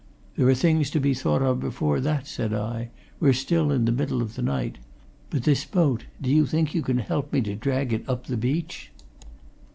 "There are things to be thought of before that," said I. "We're still in the middle of the night. But this boat do you think you can help me to drag it up the beach?"